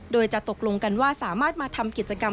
โดยจะตกลงกันว่าสามารถมาทำกิจกรรม